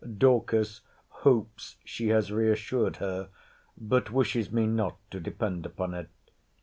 Dorcas hopes she has re assured her: but wishes me not to depend upon it.